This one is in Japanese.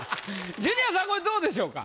ジュニアさんこれどうでしょうか？